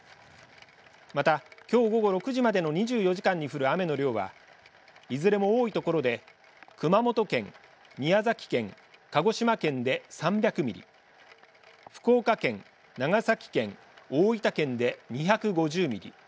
また、きょう午後６時までの２４時間に降る雨の量はいずれも多い所で熊本県、宮崎県鹿児島県で３００ミリ福岡県、長崎県大分県で２５０ミリ